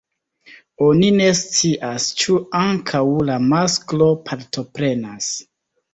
Oni ne scias ĉu ankaŭ la masklo partoprenas.